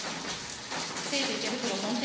西武池袋本店